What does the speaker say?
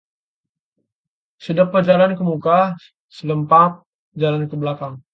Sedepa jalan kemuka, setelempap jalan kebelakang